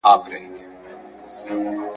د قفس یې دروازه کړه ورته خلاصه ..